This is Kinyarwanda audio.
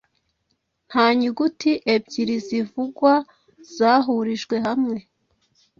Nta nyuguti ebyiri zivugwa zahurijwe hamwe